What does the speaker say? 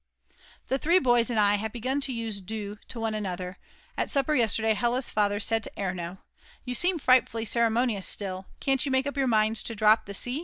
The three boys and I have begun to use "Du" to one another, at supper yesterday Hella's father said to Erno: "You seem frightfully ceremonious still, can't you make up your minds to drop the 'Sie?